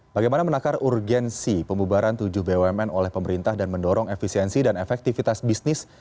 bagaimana menakar urgensi pembubaran tujuh bumn oleh pemerintah dan mendorong efisiensi dan efektivitas bisnis